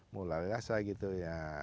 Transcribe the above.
mulai rasa gitu ya